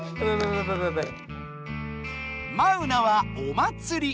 マウナは「おまつり」。